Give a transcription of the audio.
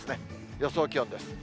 予想気温です。